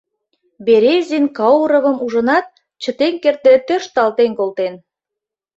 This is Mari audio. Березин Кауровым ужынат, чытен кертде, тӧршталтен колтен.